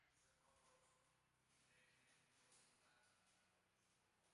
This contains a lot of magnetostatic energy.